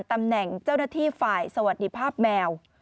ตำแหน่งเจ้าหน้าที่ฝ่ายสวัสดีภาพแมว